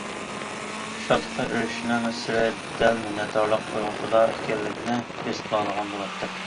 شادلىققا ئېرىشىشنىڭ سىرى دەل مىننەتدارلىق تۇيغۇسىدا ئىكەنلىكىنى ھېس قىلالىغان بولاتتى.